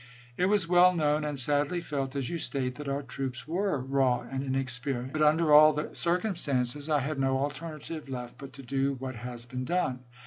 .. It was well known, and sadly felt, as you state, that our troops were raw and inexperienced; but under all the circumstances I had no alternative left but to do what has been done.